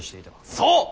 そう！